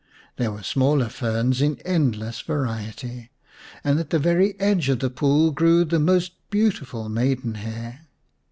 There were smaller ferns in endless variety, and at the very edge of the pool grew the most beautiful maidenhair.